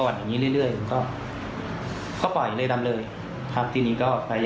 วิดีโอที่เราโหลดมาอยู่แล้วนะครับ